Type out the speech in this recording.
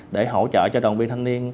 để hỗ trợ cho đồng viên thanh niên